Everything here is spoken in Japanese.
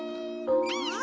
うん！